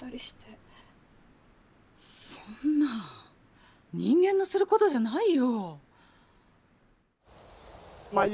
そんな人間のする事じゃないよ！